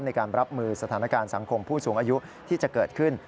ในการรับมือสถานการณ์สังคมผู้สูงอายุที่จะเกิดขึ้น